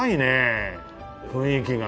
雰囲気が。